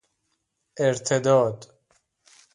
ارتداد